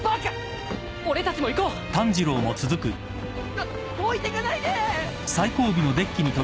あっ置いてかないで！